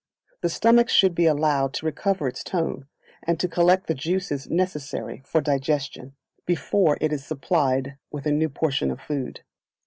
The stomach should be allowed to recover its tone, and to collect the juices necessary for digestion, before it is supplied with a new portion of food.